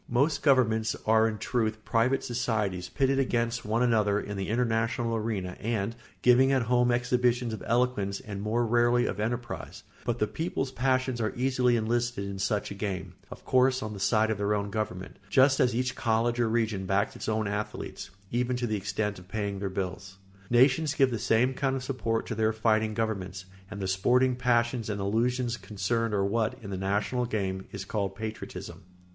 Most governments are in truth private societies pitted against one another in the international arena and giving meantime at home exhibitions of eloquence and more rarely of enterprise; but the people's passions are easily enlisted in such a game, of course on the side of their own government, just as each college or region backs its own athletes, even to the extent of paying their bills. Nations give the same kind of support to their fighting governments, and the sporting passions and illusions concerned are what, in the national game, is called patriotism.